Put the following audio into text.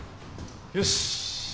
よし！